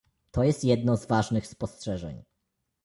To jest jedno z ważnych spostrzeżeń